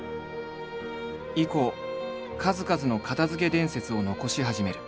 以降数々の片づけ伝説を残し始める。